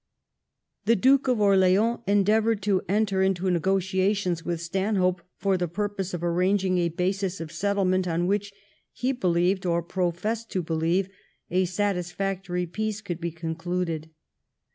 The Duke of Orleans endeavoured to enter into negotiations with Stanhope for the purpose of arranging a basis of settlement on which he believed, or professed to believe, a satis factory peace could be concluded.